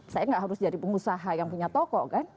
saya nggak harus jadi pengusaha yang punya toko kan